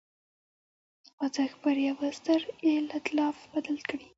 خوځښت پر یوه ستر اېتلاف بدل کړي.